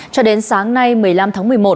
cho đến sáng nay một mươi năm tháng một mươi một